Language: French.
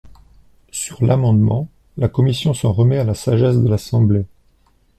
Sur l’amendement, la commission s’en remet à la sagesse de l’Assemblée.